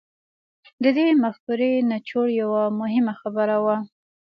د دې مفکورې نچوړ يوه مهمه خبره وه.